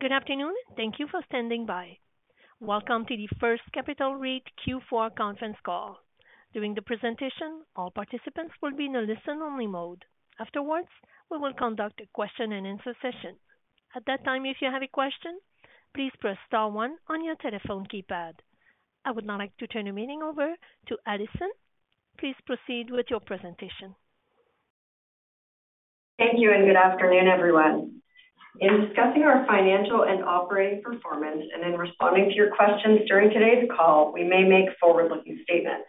Good afternoon. Thank you for standing by. Welcome to the First Capital REIT Q4 Conference Call. During the presentation, all participants will be in a listen-only mode. Afterwards, we will conduct a question-and-answer session. At that time, if you have a question, please press star one on your telephone keypad. I would now like to turn the meeting over to Alison. Please proceed with your presentation. Thank you, and good afternoon, everyone. In discussing our financial and operating performance and in responding to your questions during today's call, we may make forward-looking statements.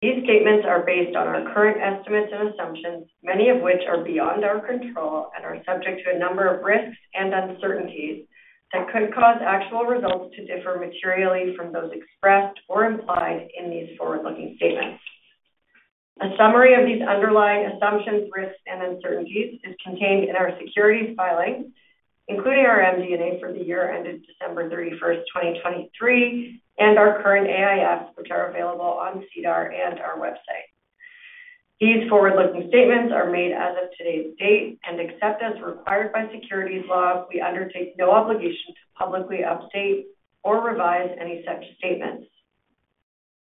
These statements are based on our current estimates and assumptions, many of which are beyond our control and are subject to a number of risks and uncertainties that could cause actual results to differ materially from those expressed or implied in these forward-looking statements. A summary of these underlying assumptions, risks, and uncertainties is contained in our securities filings, including our MD&A for the year ended December 31st, 2023, and our current AIF, which are available on SEDAR and our website. These forward-looking statements are made as of today's date, and except as required by securities law, we undertake no obligation to publicly update or revise any such statements.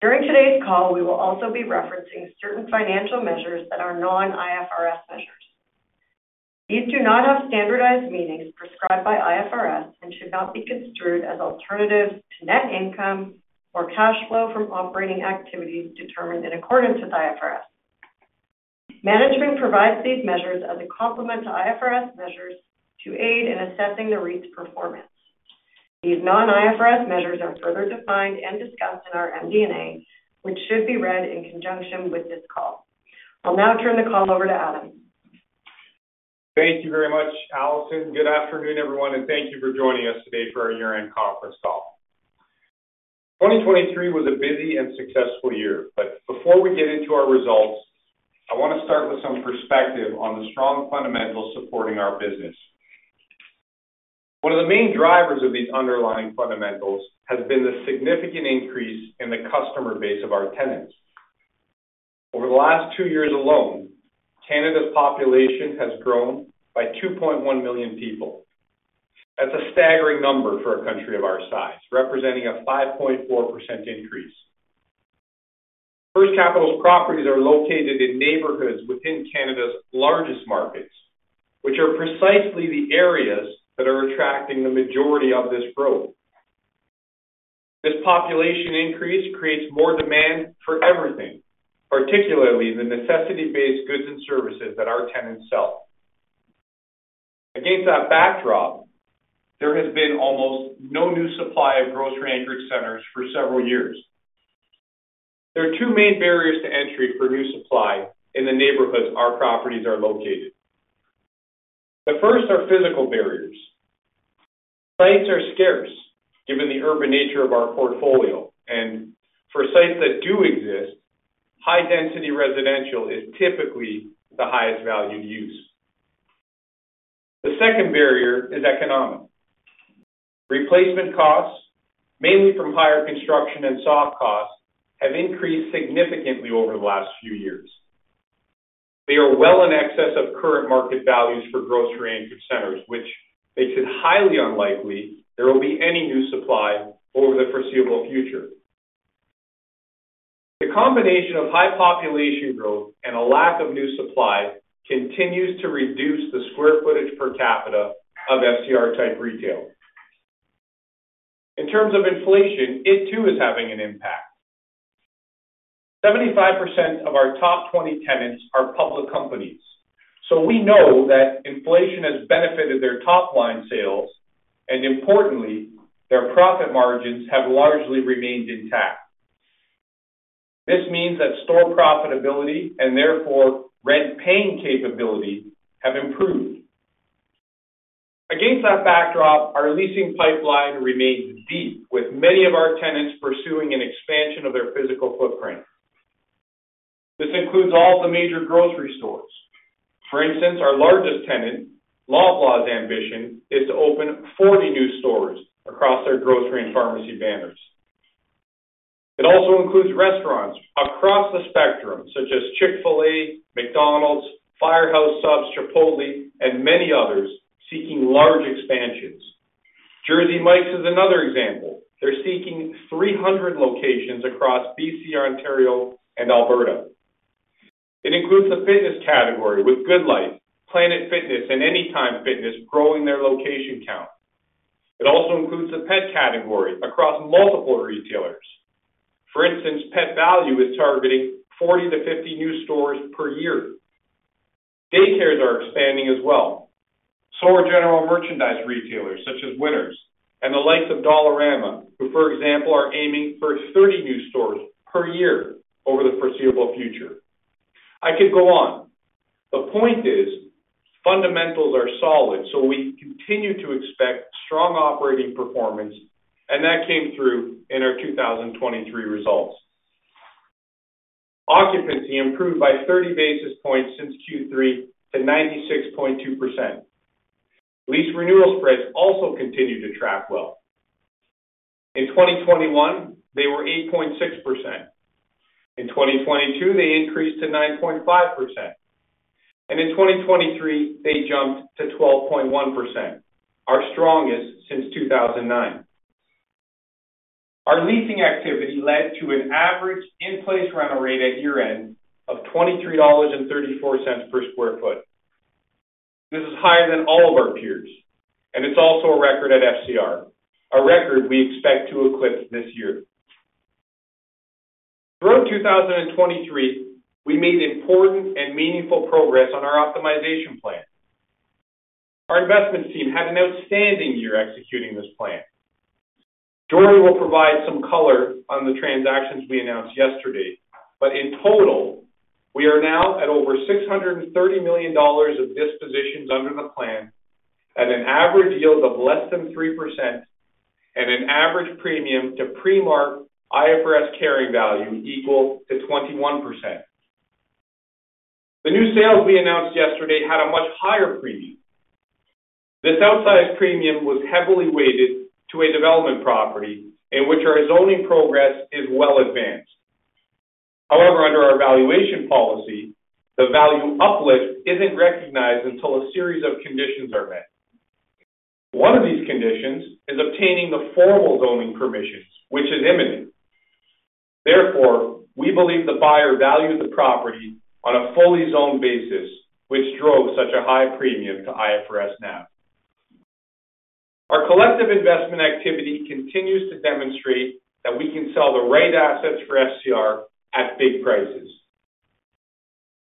During today's call, we will also be referencing certain financial measures that are non-IFRS measures. These do not have standardized meanings prescribed by IFRS and should not be construed as alternatives to net income or cash flow from operating activities determined in accordance with IFRS. Management provides these measures as a complement to IFRS measures to aid in assessing the REIT's performance. These non-IFRS measures are further defined and discussed in our MD&A, which should be read in conjunction with this call. I'll now turn the call over to Adam. Thank you very much, Alison. Good afternoon, everyone, and thank you for joining us today for our year-end conference call. 2023 was a busy and successful year. But before we get into our results, I want to start with some perspective on the strong fundamentals supporting our business. One of the main drivers of these underlying fundamentals has been the significant increase in the customer base of our tenants. Over the last two years alone, Canada's population has grown by 2.1 million people. That's a staggering number for a country of our size, representing a 5.4% increase. First Capital's properties are located in neighborhoods within Canada's largest markets, which are precisely the areas that are attracting the majority of this growth. This population increase creates more demand for everything, particularly the necessity-based goods and services that our tenants sell. Against that backdrop, there has been almost no new supply of grocery-anchored centers for several years. There are two main barriers to entry for new supply in the neighborhoods our properties are located. The first are physical barriers. Sites are scarce, given the urban nature of our portfolio, and for sites that do exist, high-density residential is typically the highest value use. The second barrier is economic. Replacement costs, mainly from higher construction and soft costs, have increased significantly over the last few years. They are well in excess of current market values for grocery-anchored centers, which makes it highly unlikely there will be any new supply over the foreseeable future. The combination of high population growth and a lack of new supply continues to reduce the square footage per capita of FCR-type retail. In terms of inflation, it too is having an impact. 75% of our top 20 tenants are public companies, so we know that inflation has benefited their top-line sales, and importantly, their profit margins have largely remained intact. This means that store profitability and therefore rent-paying capability have improved. Against that backdrop, our leasing pipeline remains deep, with many of our tenants pursuing an expansion of their physical footprint. This includes all the major grocery stores. For instance, our largest tenant, Loblaws' ambition, is to open 40 new stores across their grocery and pharmacy banners. It also includes restaurants across the spectrum, such as Chick-fil-A, McDonald's, Firehouse Subs, Chipotle, and many others seeking large expansions. Jersey Mike's is another example. They're seeking 300 locations across BC, Ontario, and Alberta. It includes the fitness category, with GoodLife, Planet Fitness, and Anytime Fitness growing their location count. It also includes the pet category across multiple retailers. For instance, Pet Valu is targeting 40-50 new stores per year. Daycares are expanding as well, so are general merchandise retailers such as Winners and the likes of Dollarama, who, for example, are aiming for 30 new stores per year over the foreseeable future. I could go on. The point is, fundamentals are solid, so we continue to expect strong operating performance, and that came through in our 2023 results. Occupancy improved by 30 basis points since Q3 to 96.2%. Lease renewal spreads also continued to track well. In 2021, they were 8.6%. In 2022, they increased to 9.5%, and in 2023, they jumped to 12.1%, our strongest since 2009. Our leasing activity led to an average in-place rental rate at year-end of 23.34 dollars per sq ft. This is higher than all of our peers, and it's also a record at FCR, a record we expect to eclipse this year. Throughout 2023, we made important and meaningful progress on our optimization plan. Our investment team had an outstanding year executing this plan. Jordy will provide some color on the transactions we announced yesterday, but in total, we are now at over 630 million dollars of dispositions under the plan at an average yield of less than 3%, and an average premium to pre-mark IFRS carrying value equal to 21%. The new sales we announced yesterday had a much higher premium. This outsized premium was heavily weighted to a development property in which our zoning progress is well advanced. However, under our valuation policy, the value uplift isn't recognized until a series of conditions are met. One of these conditions is obtaining the formal zoning permissions, which is imminent. Therefore, we believe the buyer valued the property on a fully zoned basis, which drove such a high premium to IFRS NAV. Our collective investment activity continues to demonstrate that we can sell the right assets for FCR at big prices.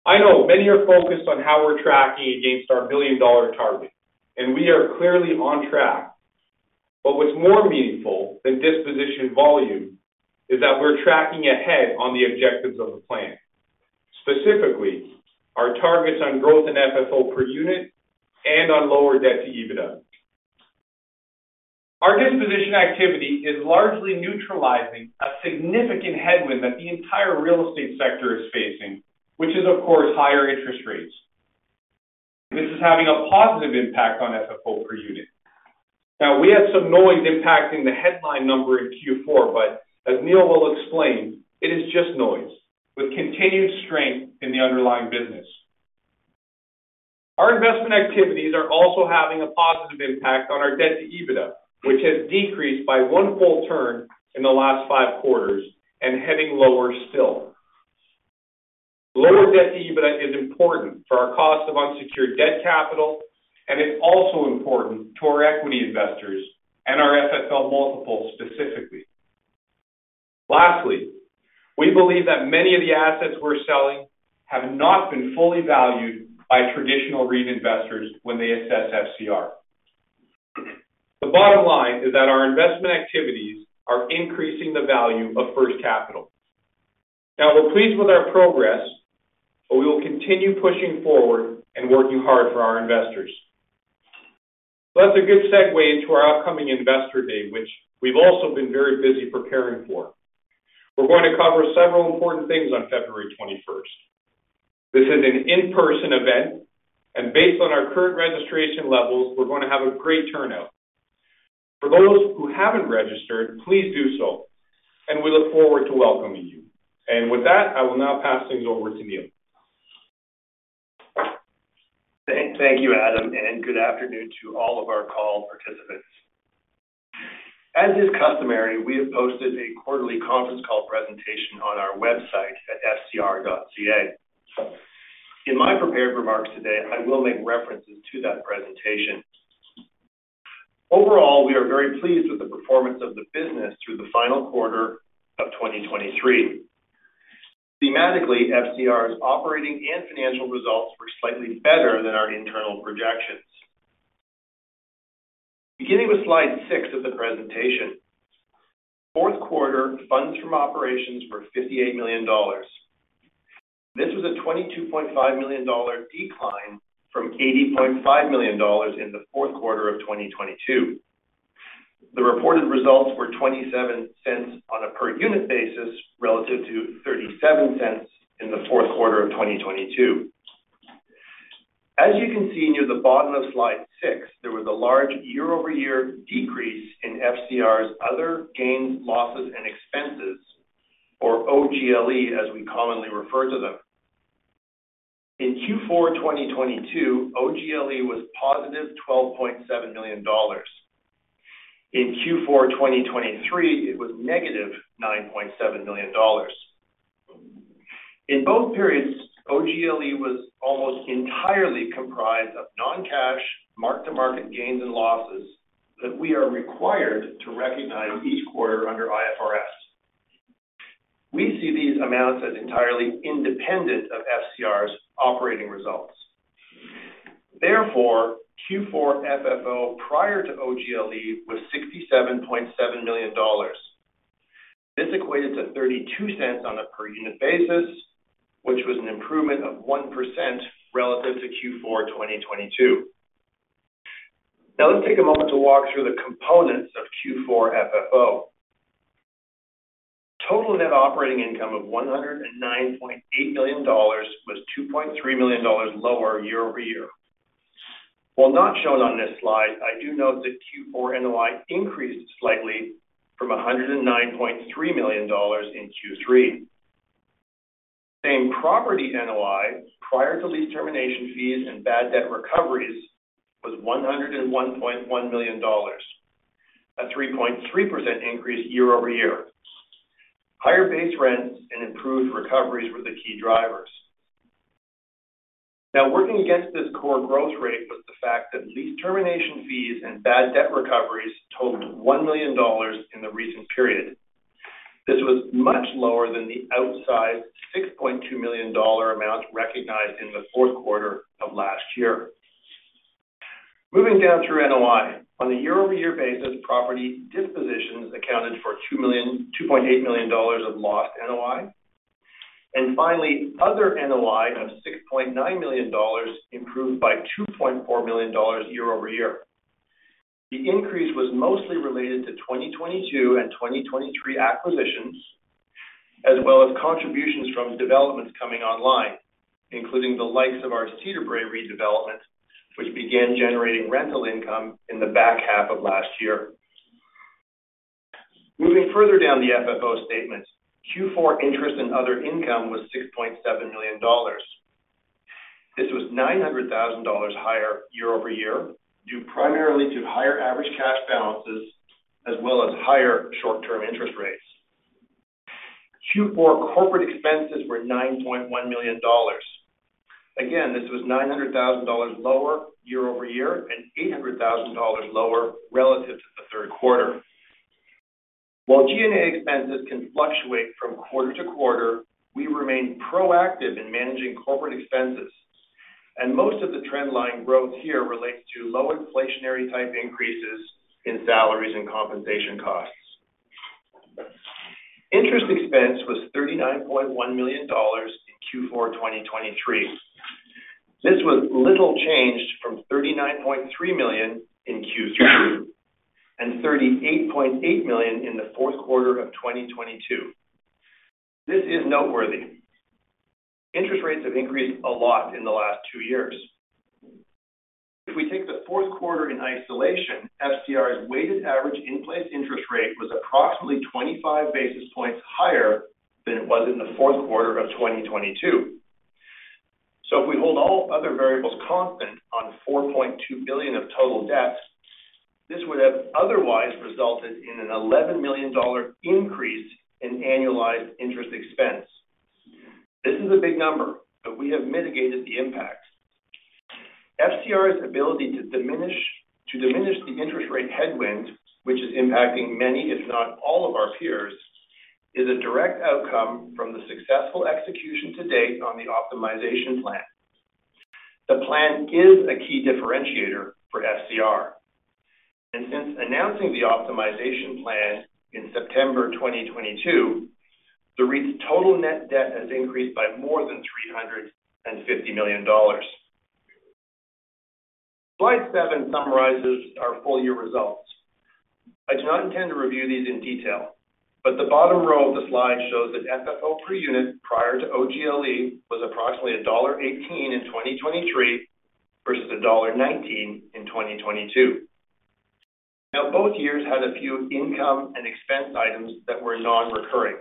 I know many are focused on how we're tracking against our billion-dollar target, and we are clearly on track. But what's more meaningful than disposition volume is that we're tracking ahead on the objectives of the plan, specifically our targets on growth in FFO per unit and on lower debt to EBITDA. Our disposition activity is largely neutralizing a significant headwind that the entire real estate sector is facing, which is, of course, higher interest rates. This is having a positive impact on FFO per unit. Now, we had some noise impacting the headline number in Q4, but as Neil will explain, it is just noise with continued strength in the underlying business. Our investment activities are also having a positive impact on our debt to EBITDA, which has decreased by one full turn in the last five quarters and heading lower still. Lower debt to EBITDA is important for our cost of unsecured debt capital, and it's also important to our equity investors and our FFO multiple, specifically. Lastly, we believe that many of the assets we're selling have not been fully valued by traditional REIT investors when they assess FCR. The bottom line is that our investment activities are increasing the value of First Capital. Now, we're pleased with our progress, but we will continue pushing forward and working hard for our investors. That's a good segue into our upcoming Investor Day, which we've also been very busy preparing for. We're going to cover several important things on February 21st. This is an in-person event, and based on our current registration levels, we're going to have a great turnout. For those who haven't registered, please do so, and we look forward to welcoming you. With that, I will now pass things over to Neil. Thank you, Adam, and good afternoon to all of our call participants. As is customary, we have posted a quarterly conference call presentation on our website at fcr.ca. In my prepared remarks today, I will make references to that presentation. Overall, we are very pleased with the performance of the business through the final quarter of 2023. Thematically, FCR's operating and financial results were slightly better than our internal projections. Beginning with slide 6 of the presentation, fourth quarter funds from operations were 58 million dollars. This was a 22.5 million dollar decline from 80.5 million dollars in the fourth quarter of 2022. The reported results were 0.27 on a per-unit basis, relative to 0.37 dollars in the fourth quarter of 2022. As you can see near the bottom of slide 6, there was a large year-over-year decrease in FCR's other gains, losses, and expenses, or OGLE, as we commonly refer to them. In Q4 2022, OGLE was +12.7 million dollars. In Q4 2023, it was -9.7 million dollars. In both periods, OGLE was almost entirely comprised of non-cash mark-to-market gains and losses that we are required to recognize each quarter under IFRS. We see these amounts as entirely independent of FCR's operating results. Therefore, Q4 FFO prior to OGLE was 67.7 million dollars. This equated to 0.32 on a per-unit basis, which was an improvement of 1% relative to Q4 2022. Now, let's take a moment to walk through the components of Q4 FFO. Total net operating income of 109.8 million dollars was 2.3 million dollars lower year-over-year. While not shown on this slide, I do note that Q4 NOI increased slightly from 109.3 million dollars in Q3. Same property NOI, prior to lease termination fees and bad debt recoveries, was 101.1 million dollars, a 3.3%, increase year-over-year. Higher base rents and improved recoveries were the key drivers. Now, working against this core growth rate was the fact that lease termination fees and bad debt recoveries totaled 1 million dollars in the recent period. This was much lower than the outsized 6.2 million dollar amount recognized in the fourth quarter of last year. Moving down to NOI. On a year-over-year basis, property dispositions accounted for $2.8 million of lost NOI. And finally, other NOI of $6.9 million improved by $2.4 million year-over-year. The increase was mostly related to 2022 and 2023 acquisitions, as well as contributions from developments coming online, including the likes of our Cedarbrae redevelopment, which began generating rental income in the back half of last year. Moving further down the FFO statement, Q4 interest and other income was $6.7 million. This was $900,000 higher year-over-year, due primarily to higher average cash balances as well as higher short-term interest rates. Q4 corporate expenses were $9.1 million. Again, this was $900,000 lower year-over-year and $800,000 lower relative to the third quarter. While G&A expenses can fluctuate from quarter to quarter, we remain proactive in managing corporate expenses, and most of the trendline growth here relates to low inflationary type increases in salaries and compensation costs. Interest expense was 39.1 million dollars in Q4 2023. This was little changed from 39.3 million in Q3, and 38.8 million in the fourth quarter of 2022. This is noteworthy. Interest rates have increased a lot in the last two years. If we take the fourth quarter in isolation, FCR's weighted average in-place interest rate was approximately 25 basis points higher than it was in the fourth quarter of 2022. So if we hold all other variables constant on 4.2 billion of total debt, this would have otherwise resulted in a 11 million dollar increase in annualized interest expense. This is a big number, but we have mitigated the impact. FCR's ability to diminish, to diminish the interest rate headwind, which is impacting many, if not all, of our peers, is a direct outcome from the successful execution to date on the optimization plan. The plan is a key differentiator for FCR, and since announcing the optimization plan in September 2022, the REIT's total net debt has increased by more than 350 million dollars. Slide 7 summarizes our full year results. I do not intend to review these in detail, but the bottom row of the slide shows that FFO per unit prior to OGLE was approximately dollar 1.18 in 2023 versus dollar 1.19 in 2022. Now, both years had a few income and expense items that were non-recurring,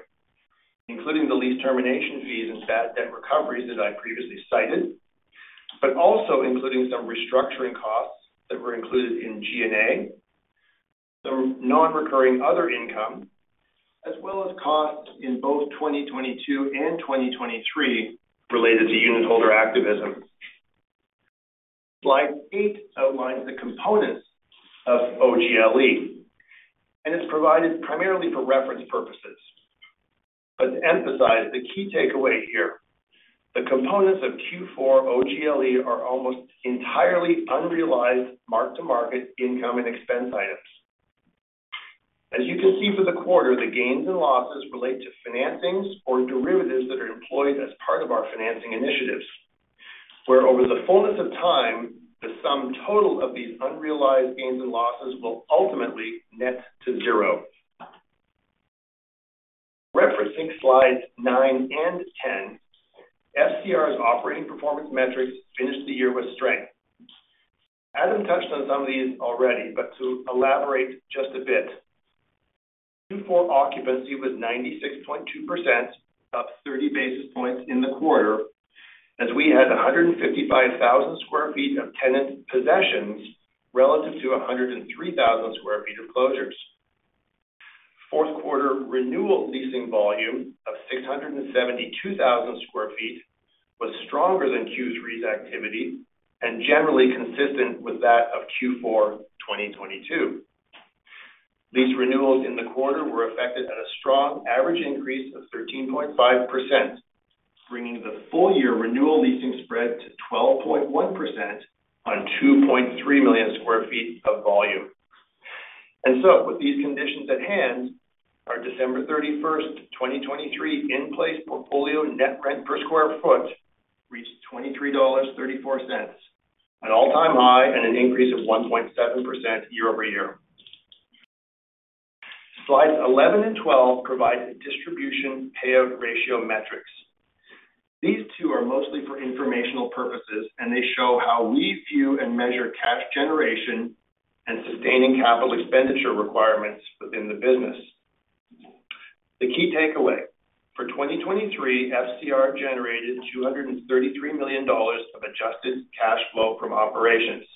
including the lease termination fees and bad debt recoveries that I previously cited, but also including some restructuring costs that were included in G&A, some non-recurring other income, as well as costs in both 2022 and 2023 related to unitholder activism. Slide 8 outlines the components of OGLE, and it's provided primarily for reference purposes. To emphasize the key takeaway here, the components of Q4 OGLE are almost entirely unrealized mark-to-market income and expense items. As you can see for the quarter, the gains and losses relate to financings or derivatives that are employed as part of our financing initiatives, where over the fullness of time, the sum total of these unrealized gains and losses will ultimately net to zero. Referencing Slides 9 and 10, FCR's operating performance metrics finished the year with strength. Adam touched on some of these already, but to elaborate just a bit. Q4 occupancy was 96.2%, up 30 basis points in the quarter, as we had 155,000 sq ft of tenant possessions relative to 103,000 sq ft of closures. Fourth quarter renewal leasing volume of 672,000 sq ft was stronger than Q3's activity and generally consistent with that of Q4 2022. These renewals in the quarter were effected at a strong average increase of 13.5%, bringing the full year renewal leasing spread to 12.1%, on 2.3 million sq ft of volume. And so with these conditions at hand, our December 31, 2023 in-place portfolio net rent per sq ft reached 23.34 dollars. an all-time high and an increase of 1.7%, year-over-year. Slides 11 and 12 provide the distribution payout ratio metrics. These two are mostly for informational purposes, and they show how we view and measure cash generation and sustaining capital expenditure requirements within the business. The key takeaway: for 2023, FCR generated 233 million dollars of adjusted cash flow from operations,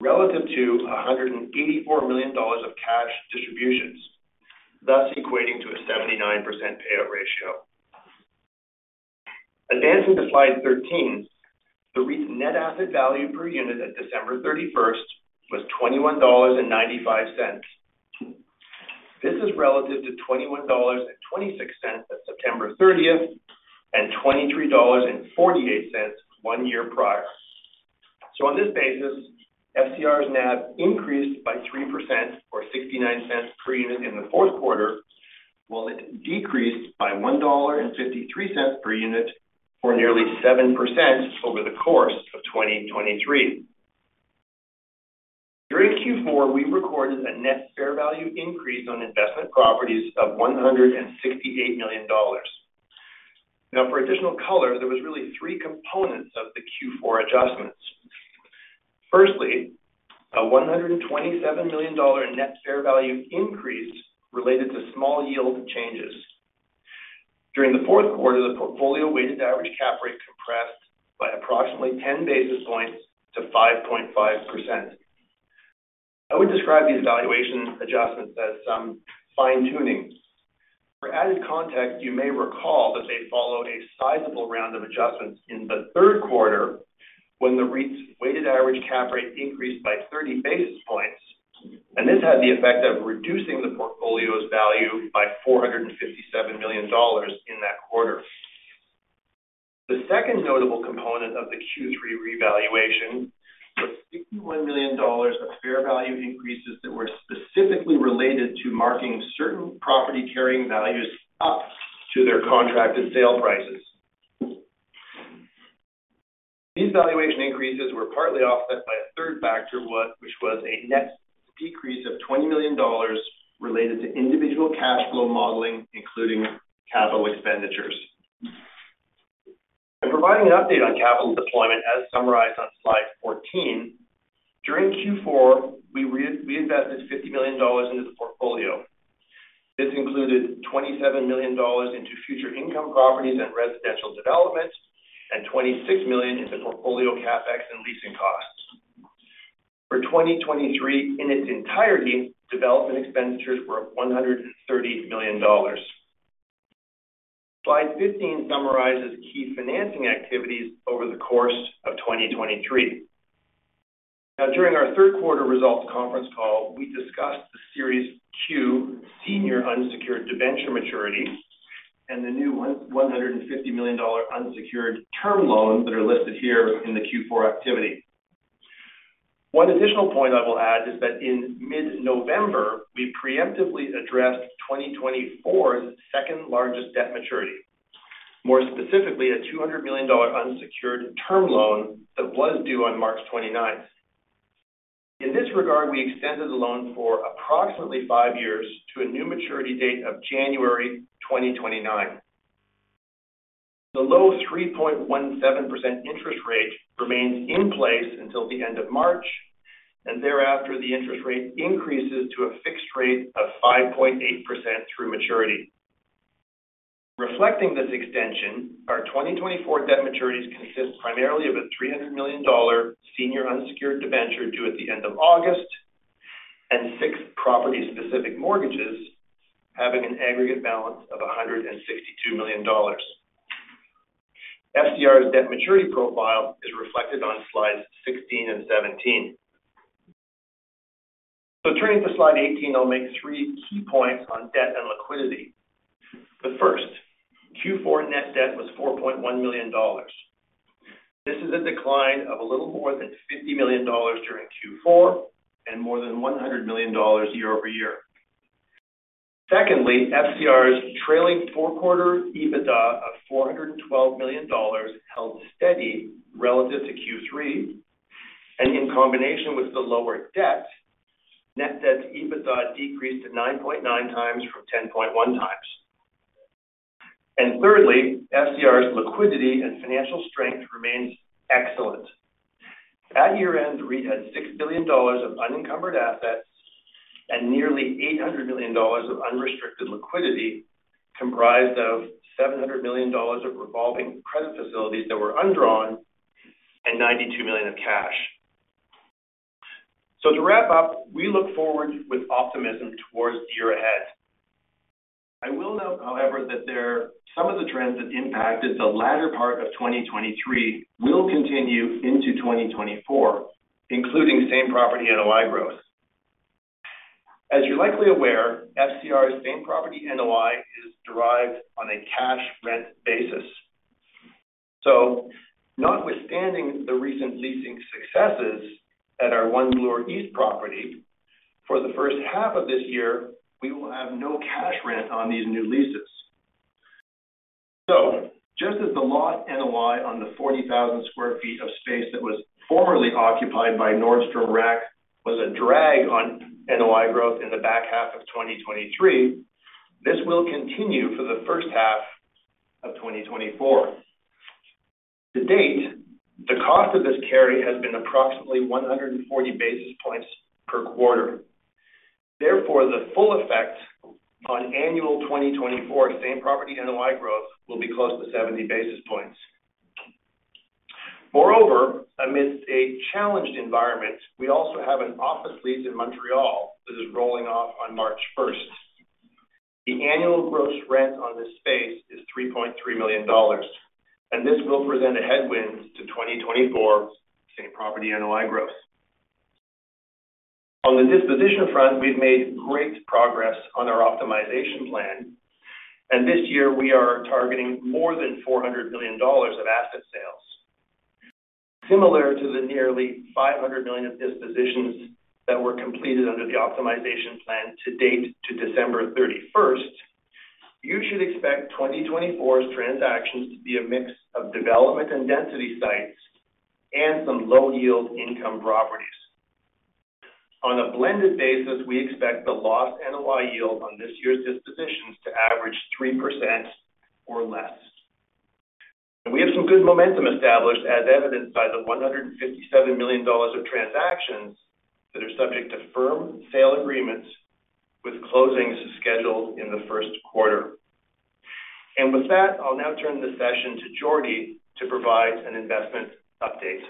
relative to 184 million dollars of cash distributions, thus equating to a 79% payout ratio. Advancing to slide 13, the REIT's net asset value per unit at December 31 was 21.95 dollars. This is relative to 21.26 dollars at September 30, and 23.48 dollars one year prior. On this basis, FCR's NAV increased by 3%, or 0.69 per unit in the fourth quarter, while it decreased by 1.53 dollar per unit, or nearly 7%, over the course of 2023. During Q4, we recorded a net fair value increase on investment properties of 168 million dollars. Now, for additional color, there was really three components of the Q4 adjustments. Firstly, a 127 million dollar net fair value increase related to small yield changes. During the fourth quarter, the portfolio weighted average cap rate compressed by approximately 10 basis points to 5.5%. I would describe these valuation adjustments as some fine-tuning. For added context, you may recall that they followed a sizable round of adjustments in the third quarter, when the REIT's weighted average cap rate increased by 30 basis points, and this had the effect of reducing the portfolio's value by 457 million dollars in that quarter. The second notable component of the Q3 revaluation was 61 million dollars of fair value increases that were specifically related to marking certain property carrying values up to their contracted sale prices. These valuation increases were partly offset by a third factor, which was a net decrease of 20 million dollars related to individual cash flow modeling, including capital expenditures. I'm providing an update on capital deployment, as summarized on Slide 14. During Q4, we invested 50 million dollars into the portfolio. This included 27 million dollars into future income properties and residential developments, and 26 million into portfolio CapEx and leasing costs. For 2023, in its entirety, development expenditures were 130 million dollars. Slide 15 summarizes key financing activities over the course of 2023. Now, during our third quarter results conference call, we discussed the Series Q senior unsecured debenture maturities and the new 150 million dollar unsecured term loans that are listed here in the Q4 activity. One additional point I will add is that in mid-November, we preemptively addressed 2024's second-largest debt maturity. More specifically, a 200 million dollar unsecured term loan that was due on March 29. In this regard, we extended the loan for approximately five years to a new maturity date of January 2029. The low 3.17% interest rate remains in place until the end of March, and thereafter, the interest rate increases to a fixed rate of 5.8%, through maturity. Reflecting this extension, our 2024 debt maturities consist primarily of a 300 million dollar senior unsecured debenture due at the end of August, and six property-specific mortgages, having an aggregate balance of 162 million dollars. FCR's debt maturity profile is reflected on slides 16 and 17. So turning to slide 18, I'll make three key points on debt and liquidity. The first, Q4 net debt was 4.1 million dollars. This is a decline of a little more than 50 million dollars during Q4 and more than 100 million dollars year-over-year. Secondly, FCR's trailing four-quarter EBITDA of 412 million dollars held steady relative to Q3, and in combination with the lower debt, net debt's EBITDA decreased to 9.9x from 10.1x. Thirdly, FCR's liquidity and financial strength remains excellent. At year-end, the REIT had 6 billion dollars of unencumbered assets and nearly 800 million dollars of unrestricted liquidity, comprised of 700 million dollars of revolving credit facilities that were undrawn and 92 million of cash. So to wrap up, we look forward with optimism toward the year ahead. I will note, however, that some of the trends that impacted the latter part of 2023 will continue into 2024, including same property NOI growth. As you're likely aware, FCR's same property NOI is derived on a cash rent basis. So notwithstanding the recent leasing successes at our One Bloor East property, for the first half of this year, we will have no cash rent on these new leases. So just as the lost NOI on the 40,000 sq ft of space that was formerly occupied by Nordstrom Rack was a drag on NOI growth in the back half of 2023, this will continue for the first half of 2024. To date, the cost of this carry has been approximately 140 basis points per quarter. Therefore, the full effect on annual 2024 same-property NOI growth will be close to 70 basis points. Moreover, amidst a challenged environment, we also have an office lease in Montreal that is rolling off on March first. The annual gross rent on this space is 3.3 million dollars, and this will present a headwind to 2024 same-property NOI growth. On the disposition front, we've made great progress on our optimization plan, and this year we are targeting more than 400 million dollars of asset sales. Similar to the nearly 500 million of dispositions that were completed under the optimization plan to date to December 31, you should expect 2024's transactions to be a mix of development and density sites and some low-yield income properties. On a blended basis, we expect the lost NOI yield on this year's dispositions to average 3% or less. And we have some good momentum established, as evidenced by the 157 million dollars of transactions that are subject to firm sale agreements, with closings scheduled in the first quarter. With that, I'll now turn the session to Jordy to provide an investment update.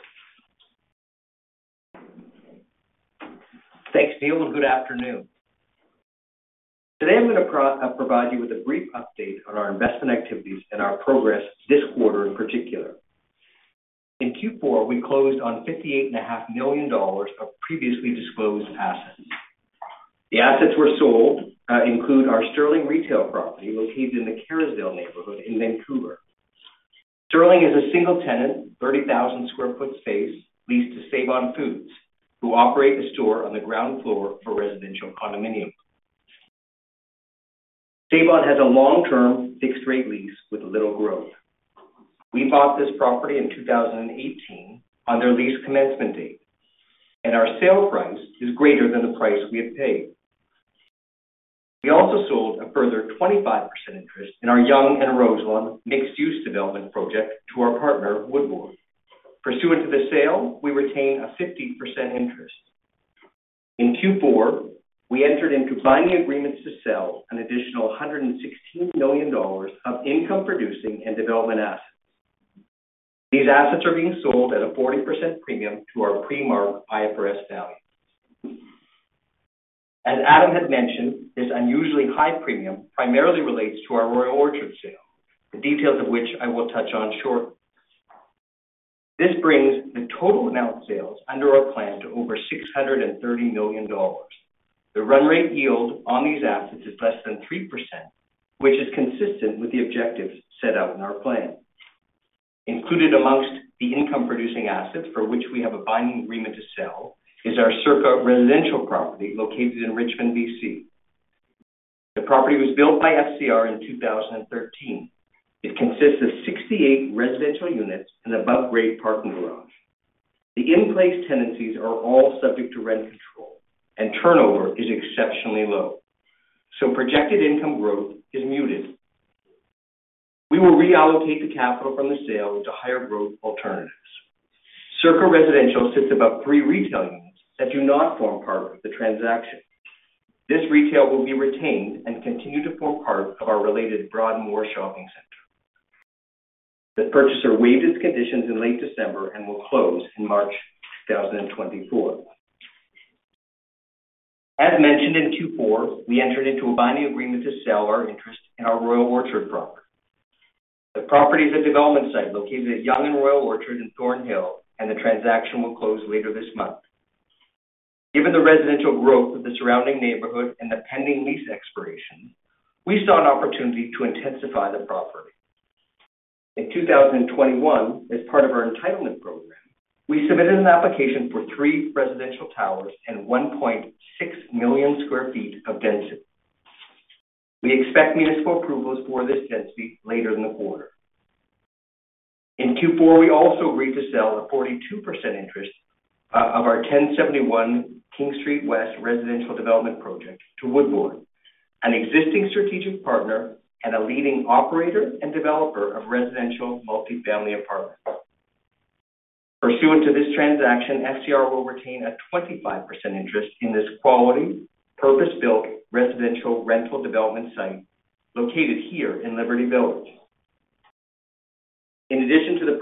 Thanks, Neil, and good afternoon. Today, I'm going to provide you with a brief update on our investment activities and our progress this quarter in particular. In Q4, we closed on 58.5 million dollars of previously disclosed assets. The assets sold include our Sterling Retail property, located in the Kerrisdale neighborhood in Vancouver. Sterling is a single-tenant, 30,000 sq ft space leased to Save-On-Foods, who operate the store on the ground floor for residential condominiums. Save-On has a long-term fixed-rate lease with little growth. We bought this property in 2018 on their lease commencement date, and our sale price is greater than the price we had paid. We also sold a further 25%, interest in our Yonge and Roselawn mixed-use development project to our partner, Woodbourne. Pursuant to the sale, we retain a 50% interest. In Q4, we entered into binding agreements to sell an additional 116 million dollars of income-producing and development assets. These assets are being sold at a 40%, premium to our pre-marked IFRS value. As Adam had mentioned, this unusually high premium primarily relates to our Royal Orchard sale, the details of which I will touch on shortly. This brings the total amount of sales under our plan to over 630 million dollars. The run rate yield on these assets is less than 3%, which is consistent with the objectives set out in our plan. Included amongst the income-producing assets for which we have a binding agreement to sell is our Cerca Residential property, located in Richmond, BC. The property was built by FCR in 2013. It consists of 68 residential units and above-grade parking garage. The in-place tenancies are all subject to rent control, and turnover is exceptionally low, so projected income growth is muted. We will reallocate the capital from the sale to higher growth alternatives. Cerca Residential sits above three retail units that do not form part of the transaction. This retail will be retained and continue to form part of our related Broadmoor Shopping Centre. The purchaser waived its conditions in late December and will close in March 2024. As mentioned in Q4, we entered into a binding agreement to sell our interest in our Royal Orchard property. The property is a development site located at Yonge and Royal Orchard in Thornhill, and the transaction will close later this month. Given the residential growth of the surrounding neighborhood and the pending lease expiration, we saw an opportunity to intensify the property. In 2021, as part of our entitlement program, we submitted an application for three residential towers and 1.6 million sq ft of density. We expect municipal approvals for this density later in the quarter. In Q4, we also agreed to sell a 42%, interest of our 1071 King Street West residential development project to Woodbourne, an existing strategic partner and a leading operator and developer of residential multifamily apartments. Pursuant to this transaction, FCR will retain a 25%, interest in this quality, purpose-built, residential rental development site located here in Liberty Village. In addition to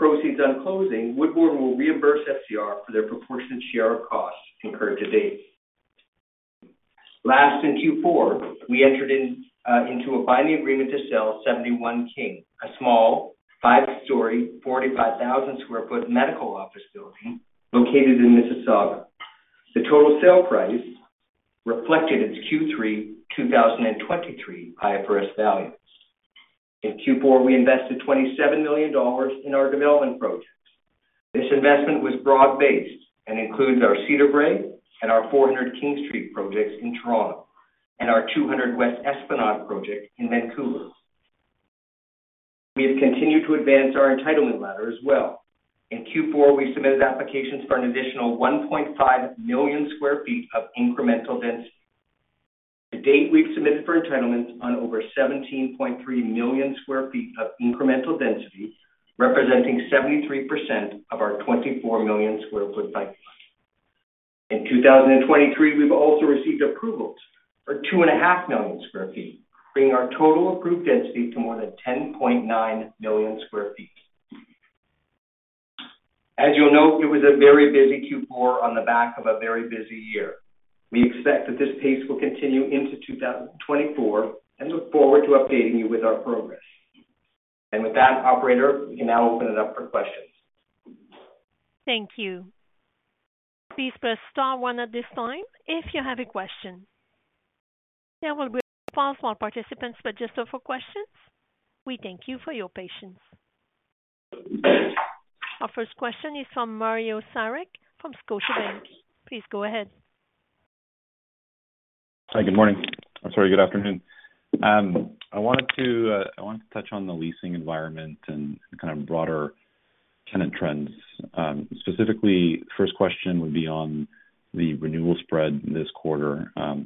the proceeds on closing, Woodbourne will reimburse FCR for their proportionate share of costs incurred to date. Last, in Q4, we entered into a binding agreement to sell 71 King, a small, 5-story, 45,000 sq ft medical office building located in Mississauga. The total sale price reflected its Q3 2023 IFRS values. In Q4, we invested 27 million dollars in our development pro-... This investment was broad-based and includes our Cedar Brae and our 400 King Street projects in Toronto, and our 200 West Esplanade project in Vancouver. We have continued to advance our entitlement ladder as well. In Q4, we submitted applications for an additional 1.5 million sq ft of incremental density. To date, we've submitted for entitlements on over 17.3 million sq ft of incremental density, representing 73%, of our 24 million sq ft pipeline. In 2023, we've also received approvals for 2.5 million sq ft, bringing our total approved density to more than 10.9 million sq ft. As you'll note, it was a very busy Q4 on the back of a very busy year. We expect that this pace will continue into 2024, and look forward to updating you with our progress. With that, operator, we can now open it up for questions. Thank you. Please press star one at this time if you have a question. There will be a pause while participants register for questions. We thank you for your patience. Our first question is from Mario Saric from Scotia Bank. Please go ahead. Hi, good morning. I'm sorry, good afternoon. I wanted to touch on the leasing environment and kind of broader tenant trends. Specifically, first question would be on the renewal spread this quarter. I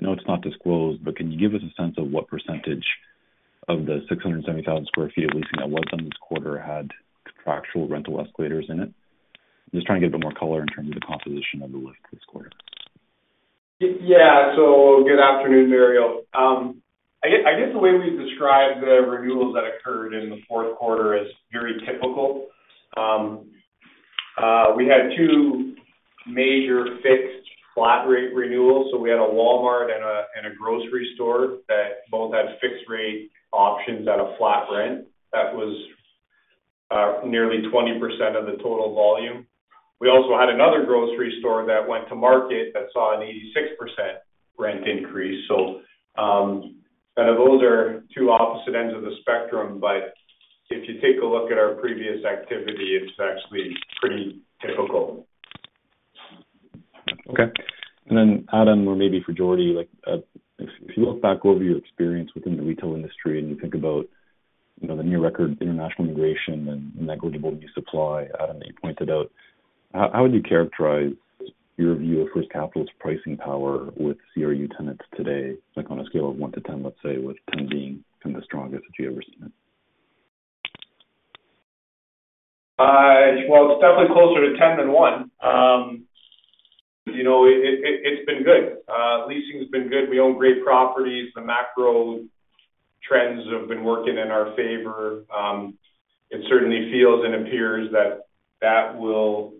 know it's not disclosed, but can you give us a sense of what percentage of the 670,000 sq ft of leasing that was done this quarter had contractual rental escalators in it? I'm just trying to get a bit more color in terms of the composition of the lift this quarter. Yeah. So good afternoon, Mario. I guess the way we describe the renewals that occurred in the fourth quarter is very typical. We had two major fixed flat rate renewals, so we had a Walmart and a, and a grocery store that both had fixed rate options at a flat rent. That was nearly 20%, of the total volume. We also had another grocery store that went to market that saw an 86% rent increase. So kind of those are two opposite ends of the spectrum, but if you take a look at our previous activity, it's actually pretty typical. Okay. And then, Adam, or maybe for Jordy, like, if you look back over your experience within the retail industry and you think about, you know, the near record international immigration and negligible new supply, Adam, that you pointed out, how would you characterize your view of First Capital's pricing power with CRU tenants today? Like, on a scale of one to ten, let's say, with ten being kind of the strongest that you ever seen? Well, it's definitely closer to 10 than 1. You know, it's been good. Leasing's been good. We own great properties. The macro trends have been working in our favor. It certainly feels and appears that will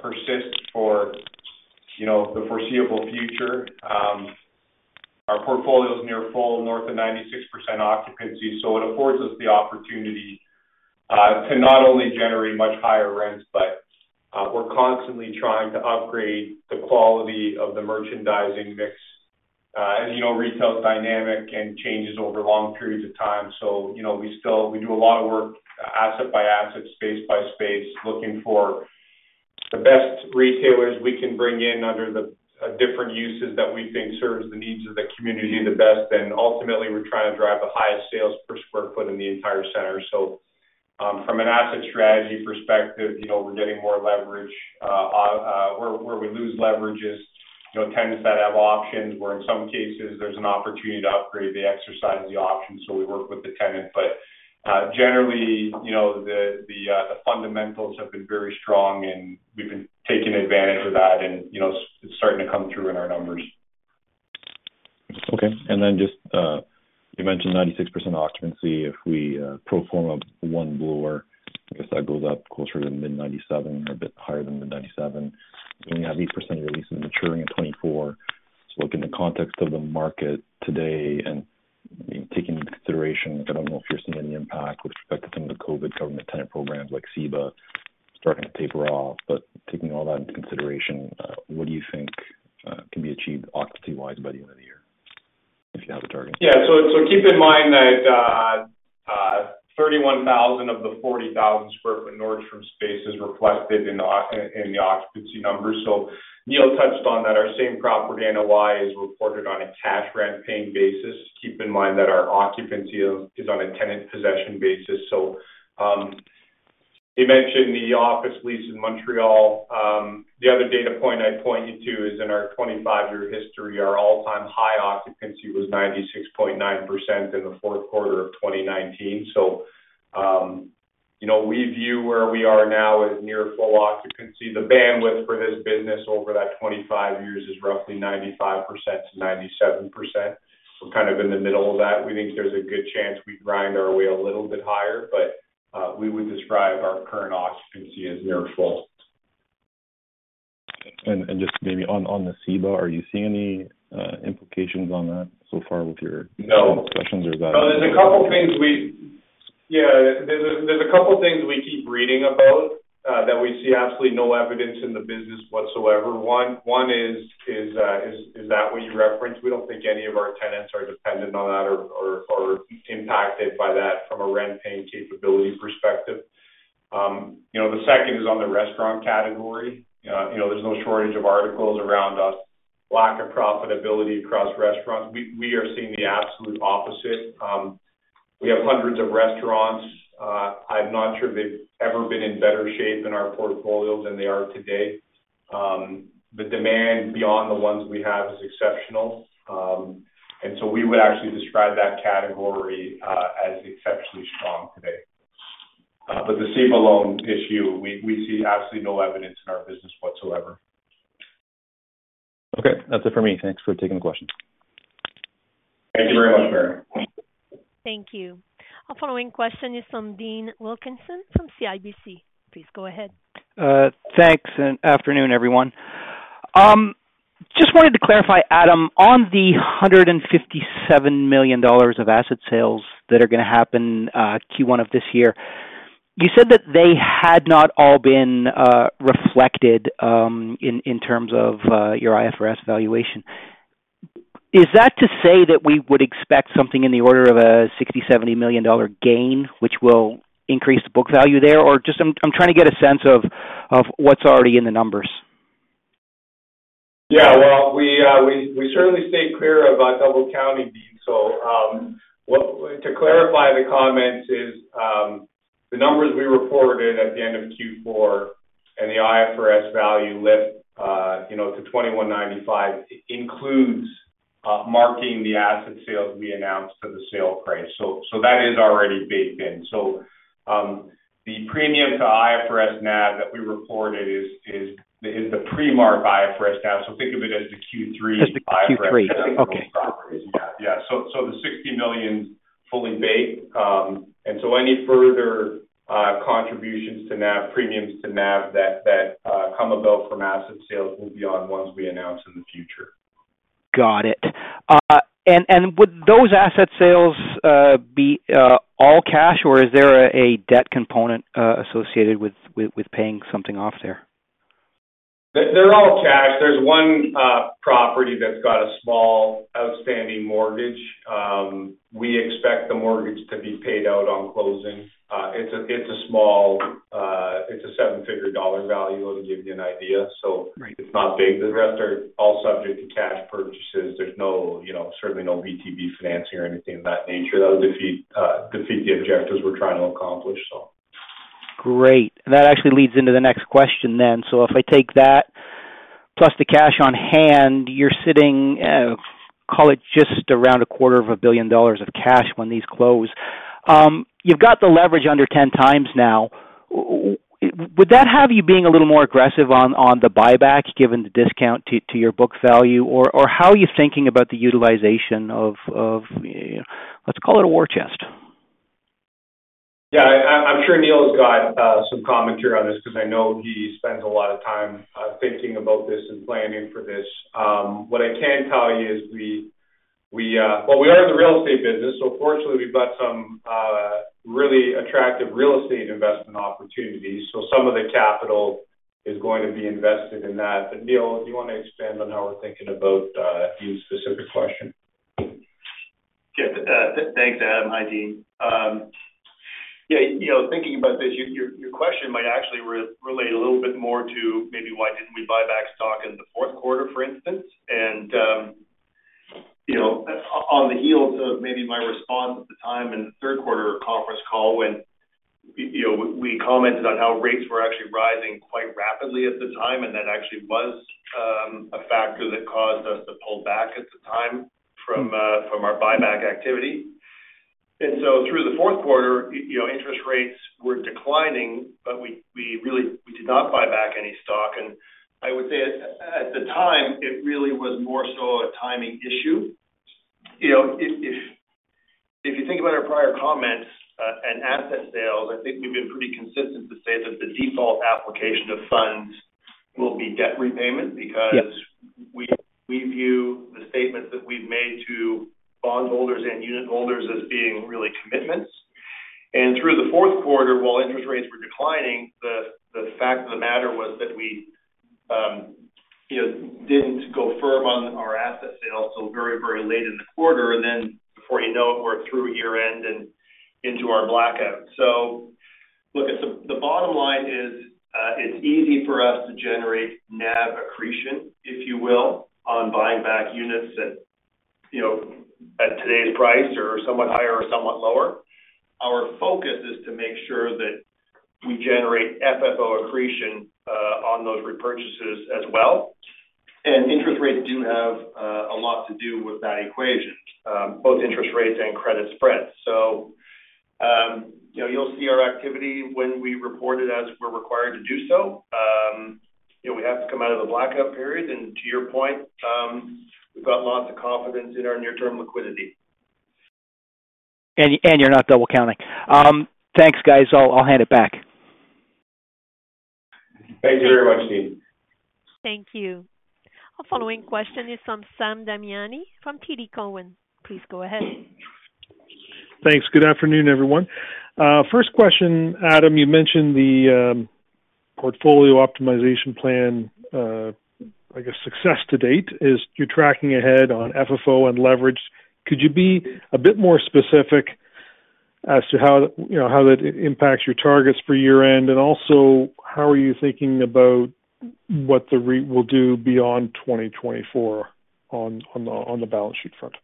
persist for, you know, the foreseeable future. Our portfolio is near full, north of 96% occupancy, so it affords us the opportunity to not only generate much higher rents, but we're constantly trying to upgrade the quality of the merchandising mix. As you know, retail is dynamic and changes over long periods of time, so, you know, we do a lot of work, asset by asset, space by space, looking for the best retailers we can bring in under the different uses that we think serves the needs of the community the best. Ultimately, we're trying to drive the highest sales per square foot in the entire center. From an asset strategy perspective, you know, we're getting more leverage. Where we lose leverage is, you know, tenants that have options, where in some cases there's an opportunity to upgrade, they exercise the option, so we work with the tenant. But generally, you know, the fundamentals have been very strong, and we've been taking advantage of that, and, you know, it's starting to come through in our numbers. Okay. Then just, you mentioned 96% occupancy. If we pro forma One Bloor, I guess that goes up closer to mid-97%, a bit higher than mid-97%. And you have 8%, of the leases maturing in 2024. So look, in the context of the market today, and, I mean, taking into consideration, I don't know if you're seeing any impact with respect to some of the COVID government tenant programs like CEBA starting to taper off. But taking all that into consideration, what do you think can be achieved occupancy-wise by the end of the year, if you have a target? Yeah. So keep in mind that 31,000 of the 40,000 sq ft Nordstrom space is reflected in the occupancy numbers. So Neil touched on that. Our same property NOI is reported on a cash rent paying basis. Keep in mind that our occupancy is on a tenant possession basis. So he mentioned the office lease in Montreal. The other data point I'd point you to is in our 25-year history, our all-time high occupancy was 96.9%, in the fourth quarter of 2019. So you know, we view where we are now as near full occupancy. The bandwidth for this business over that 25 years is roughly 95%-97%. We're kind of in the middle of that. We think there's a good chance we grind our way a little bit higher, but, we would describe our current occupancy as near full. Just maybe on the CEBA, are you seeing any implications on that so far with your- No. Questions or that? No, there's a couple things we. Yeah, there's a couple things we keep reading about that we see absolutely no evidence in the business whatsoever. One is that what you referenced, we don't think any of our tenants are dependent on that or impacted by that from a rent paying capability perspective. You know, the second is on the restaurant category. You know, there's no shortage of articles around lack of profitability across restaurants. We are seeing the absolute opposite. We have hundreds of restaurants. I'm not sure they've ever been in better shape in our portfolios than they are today. The demand beyond the ones we have is exceptional. And so we would actually describe that category as exceptionally strong today. But the CEBA loan issue, we see absolutely no evidence in our business whatsoever. Okay. That's it for me. Thanks for taking the question. Thank you very much, Mario. Thank you. Our following question is from Dean Wilkinson from CIBC. Please go ahead. Thanks, and afternoon, everyone. Just wanted to clarify, Adam, on the 157 million dollars of asset sales that are gonna happen, Q1 of this year, you said that they had not all been reflected in terms of your IFRS valuation. Is that to say that we would expect something in the order of a 60-70 million dollar gain, which will increase the book value there? Or just I'm trying to get a sense of what's already in the numbers. Yeah, well, we certainly stayed clear of double counting, Dean. So, what to clarify the comments is, the numbers we reported at the end of Q4 and the IFRS value lift, you know, to 21.95, includes marking the asset sales we announced to the sale price. So, that is already baked in. So, the premium to IFRS NAV that we reported is the pre-mark IFRS NAV, so think of it as the Q3 IFRS. Just the Q3. Okay. Yeah. Yeah. So the 60 million's fully baked. And so any further contributions to NAV, premiums to NAV that come about from asset sales will be on ones we announce in the future. Got it. And would those asset sales be all cash, or is there a debt component associated with paying something off there? They're all cash. There's one property that's got a small outstanding mortgage. We expect the mortgage to be paid out on closing. It's a small. It's a seven-figure dollar value, to give you an idea. Right. It's not big. The rest are all subject to cash purchases. There's no, you know, certainly no VTB financing or anything of that nature. That would defeat the objectives we're trying to accomplish, so. Great. That actually leads into the next question then. So if I take that, plus the cash on hand, you're sitting, call it just around 250 million dollars of cash when these close. You've got the leverage under 10 times now. Would that have you being a little more aggressive on, on the buyback, given the discount to, to your book value? Or, or how are you thinking about the utilization of, of, let's call it a war chest? Yeah, I'm sure Neil has got some commentary on this, because I know he spends a lot of time thinking about this and planning for this. What I can tell you is, well, we are in the real estate business, so fortunately, we've got some really attractive real estate investment opportunities. So some of the capital is going to be invested in that. But, Neil, do you want to expand on how we're thinking about the specific question? Yeah. Thanks, Adam. Hi, Dean. Yeah, you know, thinking about this, your, your, your question might actually relate a little bit more to maybe why didn't we buy back stock in the fourth quarter, for instance? And, you know, on the heels of maybe my response at the time in the third quarter conference call, when, you know, we, we commented on how rates were actually rising quite rapidly at the time, and that actually was, a factor that caused us to pull back at the time from, from our buyback activity. And so through the fourth quarter, you know, interest rates were declining, but we, we really we did not buy back any stock. And I would say at, at the time, it really was more so a timing issue. You know, if you think about our prior comments, and asset sales, I think we've been pretty consistent to say that the default application of funds will be debt repayment- Yes... because we view the statements that we've made to bondholders and unit holders as being really commitments. And through the fourth quarter, while interest rates were declining, the fact of the matter was that we, you know, didn't go firm on our asset sales till very, very late in the quarter, and then before you know it, we're through year-end and into our blackout. So look, the bottom line is, it's easy for us to generate NAV accretion, if you will, on buying back units at, you know, at today's price or somewhat higher or somewhat lower. Our focus is to make sure that we generate FFO accretion, on those repurchases as well. And interest rates do have a lot to do with that equation, both interest rates and credit spreads. You know, you'll see our activity when we report it as we're required to do so. You know, we have to come out of the blackout period, and to your point, we've got lots of confidence in our near-term liquidity. You're not double counting. Thanks, guys. I'll hand it back. Thank you very much, Dean. Thank you. Our following question is from Sam Damiani from TD Cowen. Please go ahead. Thanks. Good afternoon, everyone. First question, Adam, you mentioned the portfolio optimization plan. I guess success to date is you're tracking ahead on FFO and leverage. Could you be a bit more specific as to how, you know, how that impacts your targets for year-end? And also, how are you thinking about what the REIT will do beyond 2024 on the balance sheet front?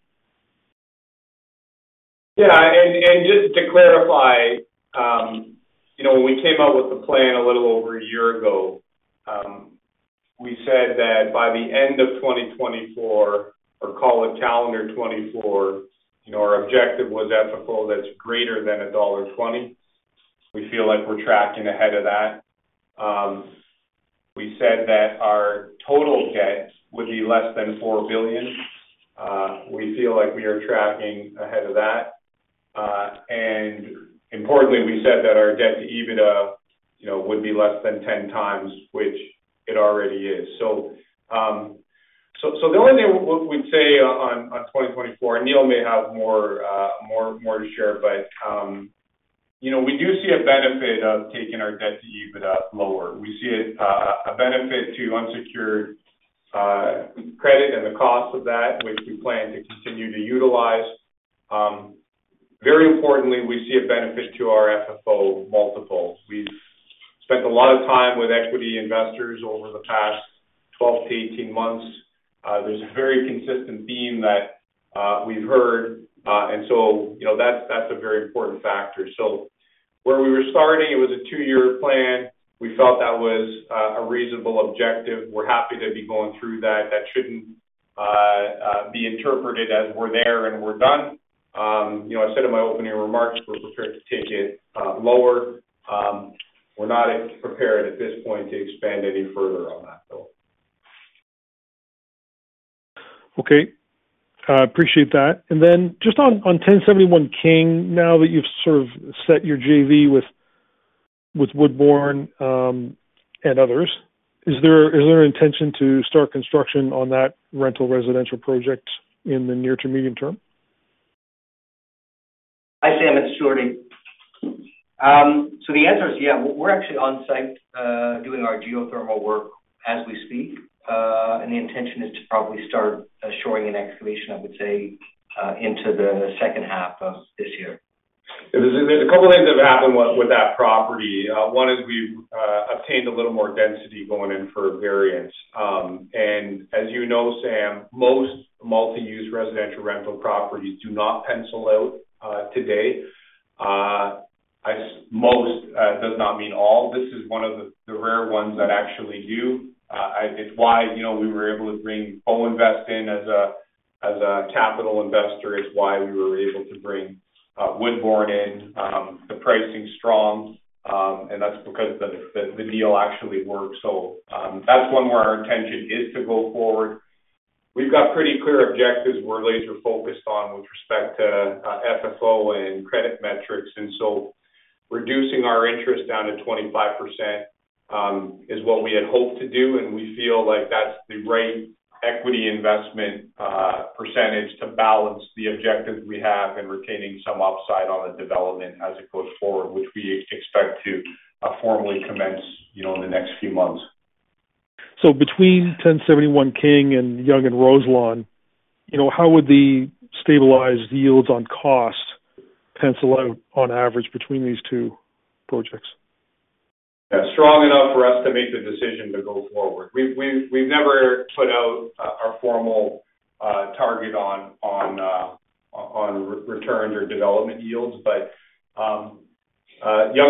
Yeah, and just to clarify, you know, when we came out with the plan a little over a year ago, we said that by the end of 2024, or call it calendar 2024, you know, our objective was FFO that's greater than dollar 1.20. We feel like we're tracking ahead of that. We said that our total debt would be less than 4 billion. We feel like we are tracking ahead of that. And importantly, we said that our debt to EBITDA, you know, would be less than 10 times, which it already is. So, the only thing we'd say on 2024, and Neil may have more to share, but, you know, we do see a benefit of taking our debt to EBITDA lower. We see it a benefit to unsecured credit and the cost of that, which we plan to continue to utilize. Very importantly, we see a benefit to our FFO multiples. We've spent a lot of time with equity investors over the past 12-18 months. There's a very consistent theme that we've heard. And so, you know, that's a very important factor. So where we were starting, it was a two-year plan. We felt that was a reasonable objective. We're happy to be going through that. That shouldn't be interpreted as we're there and we're done. You know, I said in my opening remarks, we're prepared to take it lower. We're not prepared at this point to expand any further on that, though. Okay. Appreciate that. And then just on, on 1071 King, now that you've sort of set your JV with, with Woodbourne, and others, is there, is there an intention to start construction on that rental residential project in the near to medium term? Hi, Sam, it's Stuart. So the answer is yeah. We're actually on site doing our geothermal work as we speak. And the intention is to probably start shoring and excavation, I would say, into the second half of this year. There's a couple of things that have happened with that property. One is we've obtained a little more density going in for a variance. And as you know, Sam, most multi-use residential rental properties do not pencil out today. Most does not mean all. This is one of the rare ones that actually do. It's why, you know, we were able to bring O Invest in as a capital investor, is why we were able to bring Woodbourne in. The pricing's strong, and that's because the deal actually works. So, that's one where our intention is to go forward. We've got pretty clear objectives we're laser-focused on with respect to FFO and credit metrics, and so reducing our interest down to 25%, is what we had hoped to do, and we feel like that's the right equity investment percentage to balance the objectives we have in retaining some upside on the development as it goes forward, which we expect to formally commence, you know, in the next few months. So between 1071 King and Yonge and Roselawn, you know, how would the stabilized yields on cost pencil out on average between these two projects? Yeah. Strong enough for us to make the decision to go forward. We've never put out our formal target on returns or development yields, but Yonge